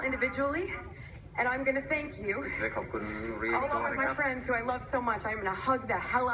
อันนี้ไม่มีความรู้สึกอะไรแล้วนะครับ